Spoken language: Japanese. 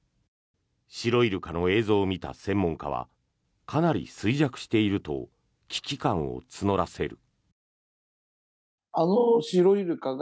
シロイルカの映像を見た専門家はかなり衰弱していると危機感を募らせる。